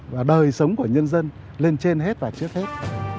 và đời sống của nhân dân lên trên hết là trước hết